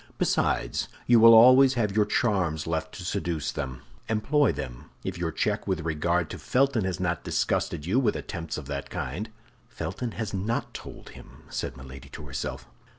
Besides, you will always have your charms left to seduce them with. Employ them, if your check with regard to Felton has not disgusted you with attempts of that kind." "Felton has not told him," said Milady to herself.